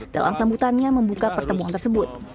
dalam sambutannya membuka pertemuan tersebut